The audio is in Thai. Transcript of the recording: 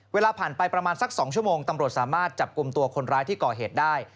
เวลาผ่านไปประมาณสัก๒ชั่วโมงตำรวจสามารถจับกลุ่มตัวคนร้ายที่ก่อเหตุได้